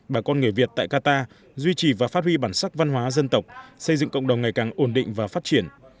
bà con người việt tại qatar duy trì và phát huy bản sắc văn hóa dân tộc xây dựng cộng đồng ngày càng ổn định và phát triển